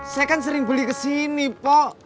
saya kan sering beli kesini pok